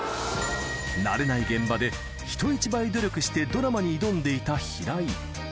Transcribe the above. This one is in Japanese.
慣れない現場で人一倍努力して、ドラマに挑んでいた平井。